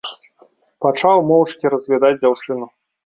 Пачаў моўчкі разглядаць дзяўчыну.